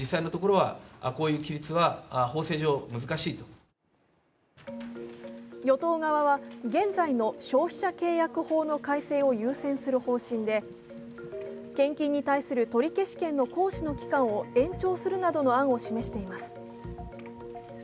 これに対し与党側は与党側は現在の消費者契約法の改正を優先する方針で、献金に対する取消権の行使の期間を延長するなどの案を示しています。